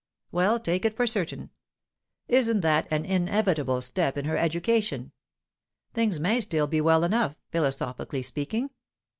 "Well, take it for certain. Isn't that an inevitable step in her education? Things may still be well enough, philosophically speaking.